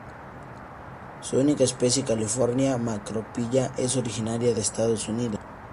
Su única especie: "California macrophylla" es originaria de Estados Unidos.